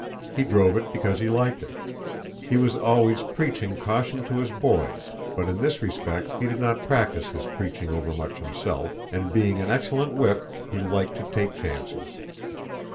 He drove it because he liked it. He was always preaching caution to his boys, but in this respect he did not practice his preaching overmuch himself; and, being an excellent whip, he liked to take chances.